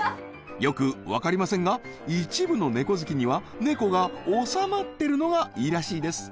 よく分かりませんが一部の猫好きには猫が収まってるのがいいらしいです